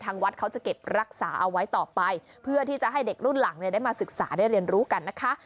วัดเขาจะเก็บรักษาเอาไว้ต่อไปเพื่อที่จะให้เด็กรุ่นหลังเนี่ยได้มาศึกษาได้เรียนรู้กันนะคะ